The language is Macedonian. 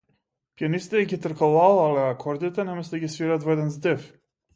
Пијанистите ги тркалалале акордите, наместо да ги свират во еден здив.